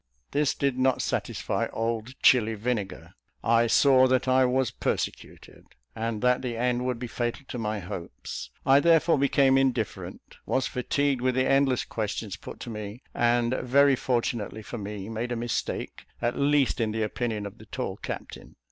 This did not satisfy old Chili Vinegar. I saw that I was persecuted, and that the end would be fatal to my hopes: I therefore became indifferent; was fatigued with the endless questions put to me; and, very fortunately for me, made a mistake, at least in the opinion of the tall captain.